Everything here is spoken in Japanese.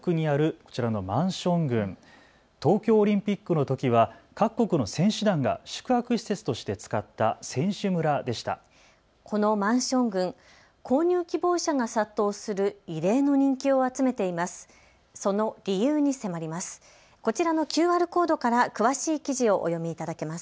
このマンション群、購入希望者が殺到する異例の人気を集めています。